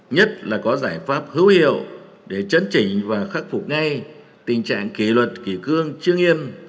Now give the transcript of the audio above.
nhất là có giải pháp hữu hiệu để chấn chỉnh và khắc phục ngay tình trạng kỷ luật kỷ cương chưa nghiêm